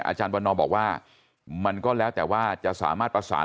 อาจารย์วันนอบอกว่ามันก็แล้วแต่ว่าจะสามารถประสาน